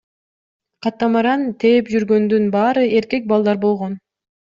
Катамаран тээп жүргөндүн баары эркек балдар болгон.